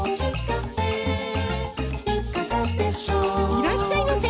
いらっしゃいませ！